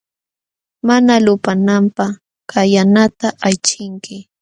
Mana lupananpaq kallanata aychinki.